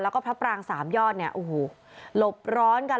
แล้วก็พระปรางสามยอดเนี่ยโอ้โหหลบร้อนกัน